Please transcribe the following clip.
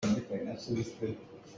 Na nupi cu aa dawh pah ko.